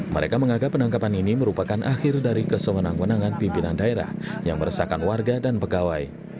mereka menganggap penangkapan ini merupakan akhir dari kesewenang wenangan pimpinan daerah yang meresahkan warga dan pegawai